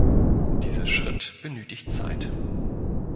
Dieser Schritt benötigt Zeit.